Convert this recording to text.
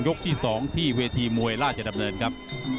ที่๒ที่เวทีมวยราชดำเนินครับ